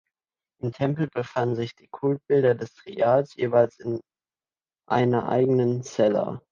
Im Tempel befanden sich die Kultbilder der Trias jeweils in einer eigenen Cella.